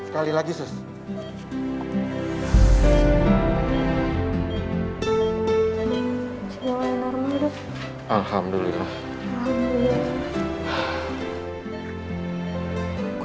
kau bisa tatap ya